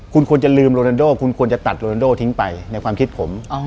คุณควรจะลืมโรนันโดคุณควรจะตัดโรนโดทิ้งไปในความคิดผม